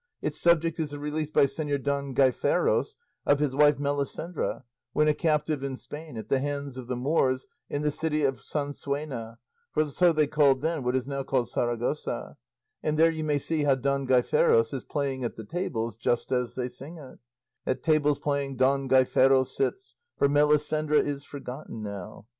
Its subject is the release by Señor Don Gaiferos of his wife Melisendra, when a captive in Spain at the hands of the Moors in the city of Sansuena, for so they called then what is now called Saragossa; and there you may see how Don Gaiferos is playing at the tables, just as they sing it— At tables playing Don Gaiferos sits, For Melisendra is forgotten now.